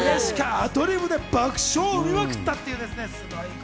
アドリブで爆笑を生みまくったと。